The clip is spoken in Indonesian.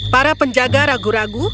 para penjaga ragu ragu